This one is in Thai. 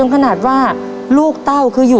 มันก็จะมีความสุขมีรอยยิ้ม